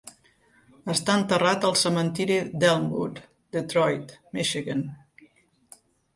Està enterrat al cementiri d'Elmwood, Detroit, Michigan.